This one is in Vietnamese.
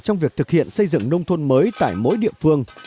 trong việc thực hiện xây dựng nông thôn mới tại mỗi địa phương